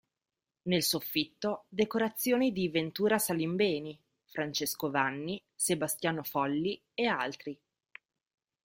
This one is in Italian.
Nel soffitto decorazioni di Ventura Salimbeni, Francesco Vanni, Sebastiano Folli e altri.